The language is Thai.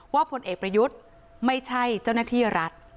พลเอกประยุทธ์ไม่ใช่เจ้าหน้าที่รัฐ